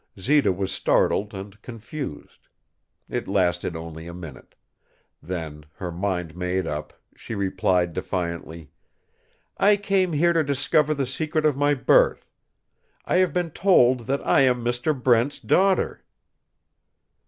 Zita was startled and confused. It lasted only a minute. Then, her mind made up, she replied, defiantly: "I came here to discover the secret of my birth. I have been told that I am Mr. Brent's daughter."